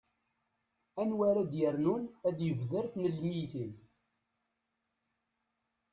anwa ara d-yernun ar tebdart n lmeyytin